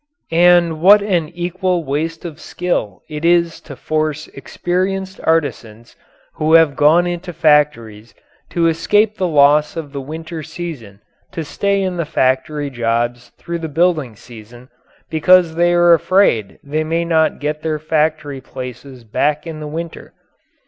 And what an equal waste of skill it is to force experienced artisans who have gone into factories to escape the loss of the winter season to stay in the factory jobs through the building season because they are afraid they may not get their factory places back in the winter.